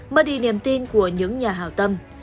mất đi niềm tin của những nhà hào tâm